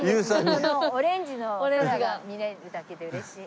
このオレンジの空が見られるだけで嬉しい。